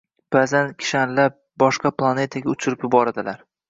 Ba’zan kishanlab, boshqa planetaga “uchirib” yuboradilar.